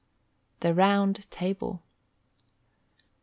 The Round Table.